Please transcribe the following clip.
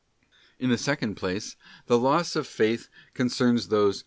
In the second place, the loss of Faith concerns those who *§.